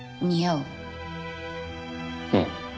うん。